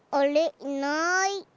いない。